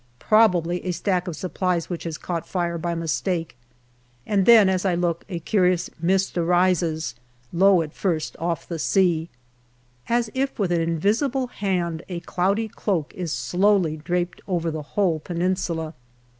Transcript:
Probably a stack of supplies which has caught fire by mistake. And then, as I look, a curious mist arises, low at first, off the sea as if with an invisible hand, a cloudy cloak is slowly draped over the whole Peninsula.